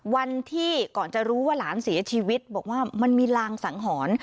วันที่ก่อนจะรู้ว่าหลานเสียชีวิตบอกว่ามันมีรางสังหรณ์